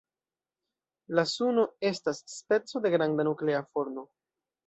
La Suno estas speco de granda nuklea forno.